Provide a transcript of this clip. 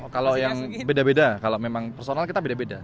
kalau yang beda beda kalau memang personal kita beda beda